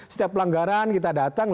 setiap pelanggaran kita datang